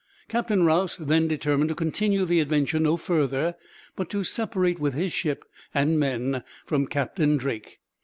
Captain Rause then determined to continue the adventure no further, but to separate with his ship and men from Captain Drake.